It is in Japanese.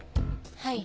はい。